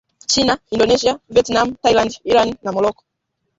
China Indonesia Vietnam Thailand Iran na Morocco